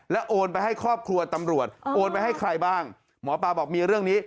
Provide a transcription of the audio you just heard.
โอนไปให้ครอบครัวตำรวจโอนไปให้ใครบ้างหมอปลาบอกมีเรื่องนี้